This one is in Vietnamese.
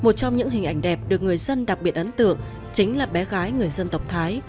một trong những hình ảnh đẹp được người dân đặc biệt ấn tượng chính là bé gái người dân tộc thái